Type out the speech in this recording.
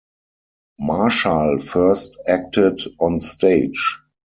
Marshall first acted on stage.